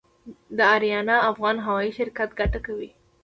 د اریانا افغان هوايي شرکت ګټه کوي؟